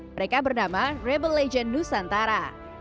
mereka bernama rebel legend nusantara